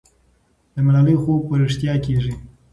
د ملالۍ خوب به رښتیا کېږي.